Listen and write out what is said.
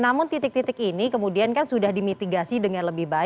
namun titik titik ini kemudian kan sudah dimitigasi dengan lebih baik